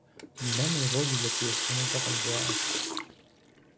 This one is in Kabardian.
Блэм уи гъуэгу зэпиупщӀыну фӀыкъым, жаӀэрт.